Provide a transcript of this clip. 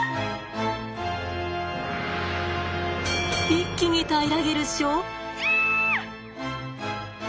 一気に平らげるっしょ？